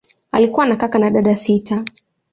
Alikuwa na kaka na dada sita.